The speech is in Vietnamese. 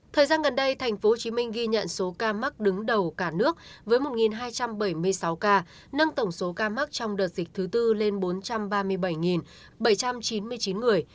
thời gian gần đây tp hcm ghi nhận số ca mắc đứng đầu cả nước với một hai trăm bảy mươi sáu ca nâng tổng số ca mắc trong đợt dịch thứ tư lên bốn trăm ba mươi bảy bảy trăm chín mươi chín người